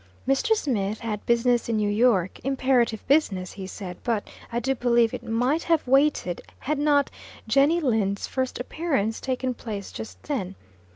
Mr. Smith had business in New York imperative business, he said, but I do believe it might have waited, had not Jenny Lind's first appearance taken place just then.